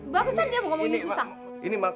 barusan dia mau ngomong ini susah